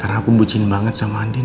karena aku bucin banget sama andin